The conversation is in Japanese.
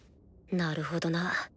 なるほどな。